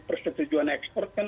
persetujuan ekspor kan